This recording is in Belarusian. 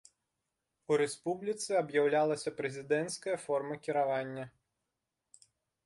У рэспубліцы аб'яўлялася прэзідэнцкая форма кіравання.